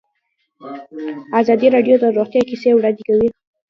ازادي راډیو د روغتیا کیسې وړاندې کړي.